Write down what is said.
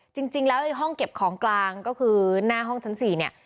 จริงแล้วไอ้ห้องเก็บของกลางก็คือหน้าห้องชั้น๔เนี่ย